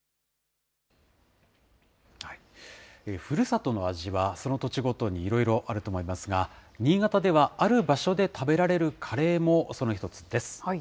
ふるさとの味は、その土地ごとにいろいろあると思いますが、新潟では、ある場所で食べられるカレーもその一つです。